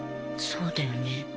そうだよね。